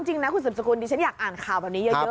จริงนะคุณสืบสกุลดิฉันอยากอ่านข่าวแบบนี้เยอะ